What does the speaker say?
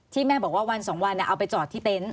ที่แม่บอกว่าวันสองวันเนี่ยเอาไปจอดที่เต้น